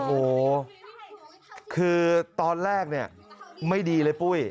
โอ้โหคือตอนแรกเนี่ยไม่ดีเลยปุ้ย